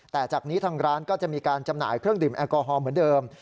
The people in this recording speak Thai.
แต่จากนี้ทางร้านก็จะมีการจำหน่ายเครื่องดื่มแอลกอฮอลเหมือนเดิม